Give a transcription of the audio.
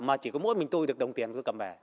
mà chỉ có mỗi mình tôi được đồng tiền tôi cầm về